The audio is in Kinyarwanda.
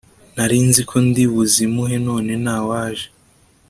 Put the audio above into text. narinziko ndi buzimuhe none ntawaje